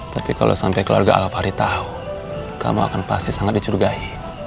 tapi kalau sampai keluarga ala pari tahu kamu akan pasti sangat dicurigai